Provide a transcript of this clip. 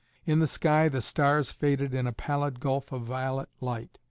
In the sky the stars faded in a pallid gulf of violet light.